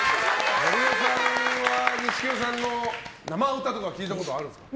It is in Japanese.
森尾さんは錦野さんの生歌とか聴いたことあるんですか。